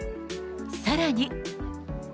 さらに。